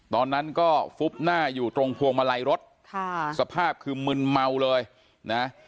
ตอนนั้นก็ฟุบหน้าอยู่ตรงพวงมาลัยรถค่ะสภาพคือมึนเมาเลยนะ